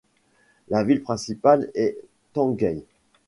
La ville principale est Tangail.